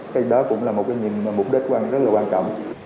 cái đó cũng là một cái mục đích rất là quan trọng